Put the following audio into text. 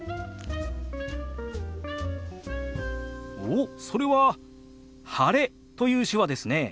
おっそれは「晴れ」という手話ですね。